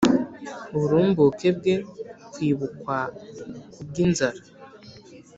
uburumbuke bwe kwibukwa ku bw inzara